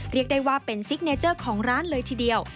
เรียกได้ว่าเป็นซิกเนเจอร์ของร้านเลยทีเดียว